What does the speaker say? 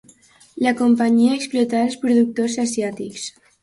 La Companyia explotà als productors asiàtics.